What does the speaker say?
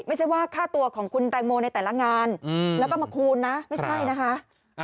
ไม่ใช่ว่าค่าตัวของคุณแตงโมในแต่ละงานแล้วก็มาคูณนะไม่ใช่นะคะ